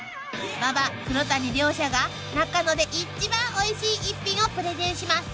馬場黒谷両者が中野で一番おいしい逸品をプレゼンします］